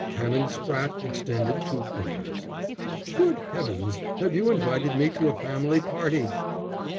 Canon Spratte extended two fingers. "Good heavens, have you invited me to a family party!"